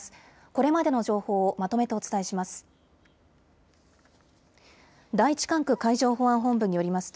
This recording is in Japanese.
これまでの情報をまとめてお伝えします。